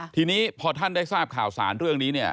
ทีนี้พอท่านได้ทราบข่าวสารเรื่องนี้เนี่ย